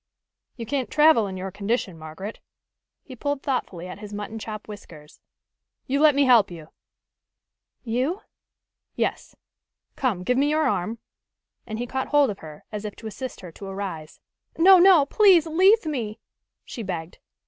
"You can't travel in your condition, Margaret." He pulled thoughtfully at his mutton chop whiskers. "You let me help you." "You?" "Yes. Come, give me your arm," and he caught hold of her, as if to assist her to arise. "No, no! Please leave me!" she begged.